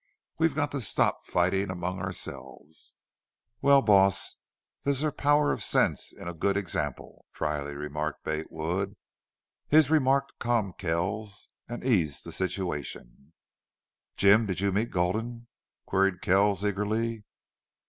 We've got to stop fighting among ourselves." "Wal, boss, there's a power of sense in a good example," dryly remarked Bate Wood. His remark calmed Kells and eased the situation. "Jim, did you meet Gulden?" queried Kells, eagerly.